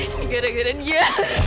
ini gara gara dia